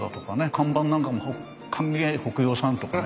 看板なんかも「歓迎北洋さん」とかね。